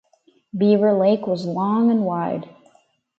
Beaver Lake was long and wide.